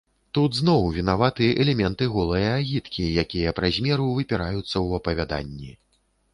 Тут зноў вінаваты элементы голае агіткі, якія праз меру выпіраюцца ў апавяданні.